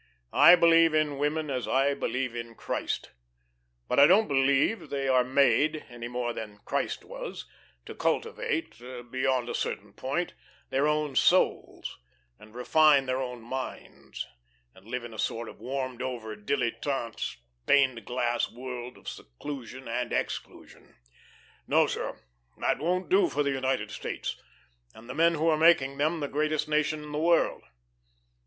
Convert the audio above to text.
I believe in women as I believe in Christ. But I don't believe they were made any more than Christ was to cultivate beyond a certain point their own souls, and refine their own minds, and live in a sort of warmed over, dilettante, stained glass world of seclusion and exclusion. No, sir, that won't do for the United States and the men who are making them the greatest nation of the world.